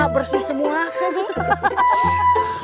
ya benar ke kara